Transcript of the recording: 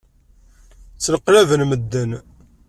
Ttneqlaben medden.